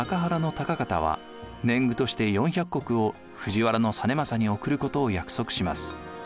高方は年貢として４００石を藤原実政に送ることを約束します。